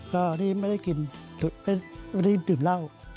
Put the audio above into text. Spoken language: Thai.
ก็รีบไม่ได้กินไม่ได้ดื่มเหล้า